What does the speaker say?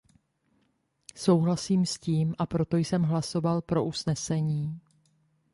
Souhlasím s tím, a proto jsem hlasoval pro usnesení.